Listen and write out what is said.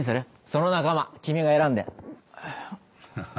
その仲間君が選んで。